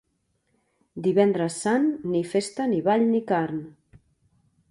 Divendres Sant, ni festa, ni ball, ni carn.